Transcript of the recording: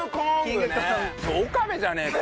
それ岡部じゃねえか！